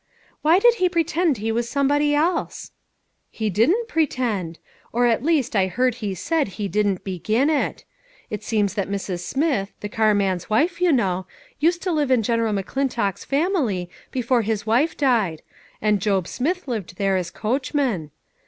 " Why did he pretend he was somebody else ?"" He didn't pretend ; or at least I heard he said he didn't begin it. It seems that Mrs. Smith, the car man's wife, you know, used to live in General MoClintock's family before his THE PAST AND PRESENT. 423 wife died ; and Job Smith lived there as coach man.